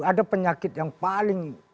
ada penyakit yang paling